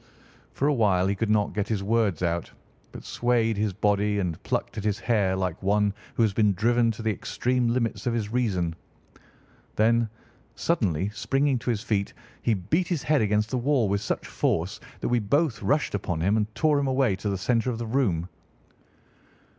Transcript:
For a while he could not get his words out, but swayed his body and plucked at his hair like one who has been driven to the extreme limits of his reason. Then, suddenly springing to his feet, he beat his head against the wall with such force that we both rushed upon him and tore him away to the centre of the room.